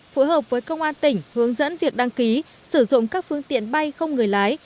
phối hợp với công an tỉnh hướng dẫn việc đăng ký sử dụng các phương tiện bay không người lái